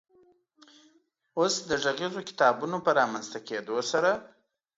اوس د غږیزو کتابونو په رامنځ ته کېدو سره